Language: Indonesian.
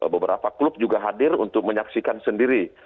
beberapa klub juga hadir untuk menyaksikan sendiri